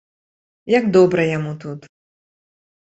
Як добра яму тут!